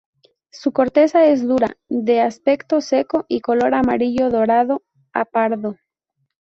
Su corteza es dura, de aspecto seco y color amarillo dorado a pardo.